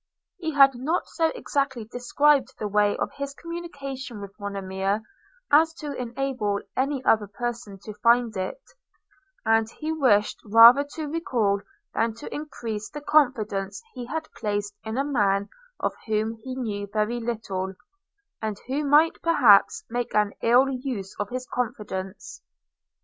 He had not so exactly described the way of his communication with Monimia, as to enable any other person to find it; and he wished rather to recall than to increase the confidence he had placed in a man of whom he knew very little, and who might perhaps make an ill use of his confidence.